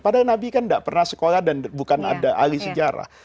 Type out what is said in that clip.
padahal nabi kan tidak pernah sekolah dan bukan ada ahli sejarah